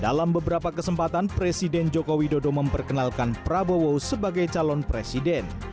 dalam beberapa kesempatan presiden jokowi dodo memperkenalkan pranowo sebagai calon presiden